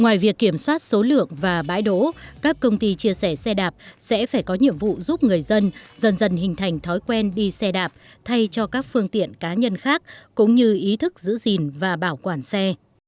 ngoài việc kiểm soát số lượng và bãi đỗ các công ty chia sẻ xe đạp sẽ phải có nhiệm vụ giúp người dân dần dần hình thành thói quen đi xe đạp thay cho các phương tiện cá nhân khác cũng như ý thức giữ gìn và bảo quản xe